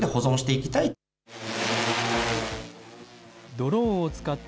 ドローンを使って、